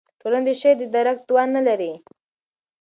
ټولنه د شعر د درک توان نه لري.